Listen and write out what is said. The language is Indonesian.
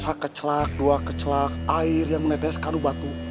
rasa kecelak dua kecelak air yang menetes karu batu